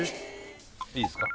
いいっすか？